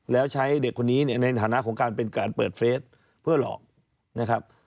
แล้วใช้เด็กคนนี้ในฐานะของการเป็นการเปิดเฟสเพื่อหลอกนะครับ